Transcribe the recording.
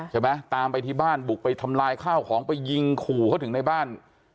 ตามไปที่บ้านบุกไปทำลายข้าวของไปยิงขู่เขาถึงในบ้าน